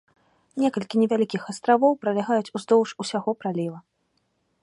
Некалькі невялікіх астравоў пралягаюць уздоўж усяго праліва.